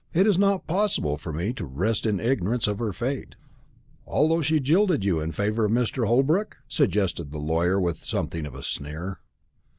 It is not possible for me to rest in ignorance of her fate." "Although she jilted you in favour of Mr. Holbrook?" suggested the lawyer with something of a sneer.